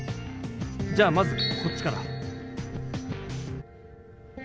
じゃあまずこっちから。